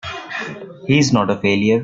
He's not a failure!